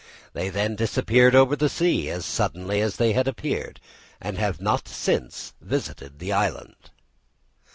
They then disappeared over the sea, as suddenly as they had appeared, and have not since visited the island.